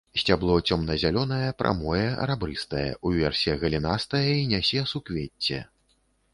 Сцябло цёмна-зялёнае, прамое, рабрыстае, уверсе галінастае і нясе суквецце.